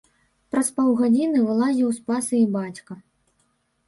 Праз паўгадзіны вылазіў з пасы і бацька.